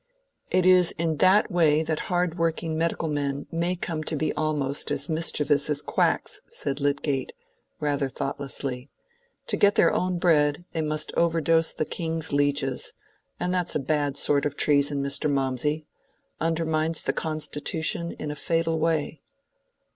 "It is in that way that hard working medical men may come to be almost as mischievous as quacks," said Lydgate, rather thoughtlessly. "To get their own bread they must overdose the king's lieges; and that's a bad sort of treason, Mr. Mawmsey—undermines the constitution in a fatal way."